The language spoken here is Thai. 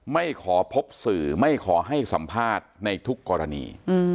ไม่ขอพบสื่อไม่ขอให้สัมภาษณ์ในทุกกรณี